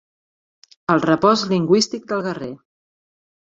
El repòs lingüístic del guerrer.